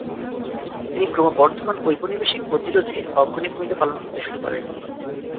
তিনি ক্রমবর্ধমান ঔপনিবেশিক প্রতিরোধে অগ্রণী ভূমিকা পালন করতে শুরু করেন।